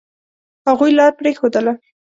هغوی لار پرېښودله.